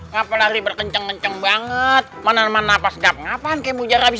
ngapain berkenceng kenceng banget mana mana pas gap ngapain kemujar habis